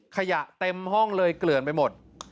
ขยะเต็มห้องเลยเกลื่อนไปหมด